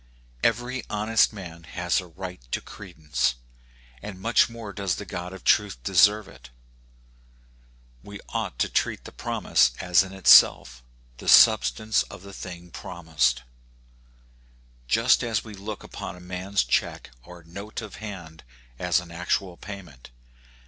Every honest man has a right to credence, and much more does the God of truth deserve it. We ought to treat the prom ise as in itself the substance of the thing promised, just as we look upon a man's check or note of hand as an actual payment.